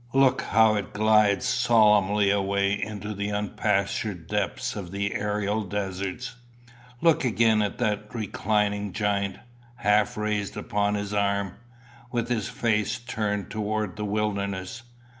Look how it glides solemnly away into the unpastured depths of the aerial deserts. Look again at that reclining giant, half raised upon his arm, with his face turned towards the wilderness.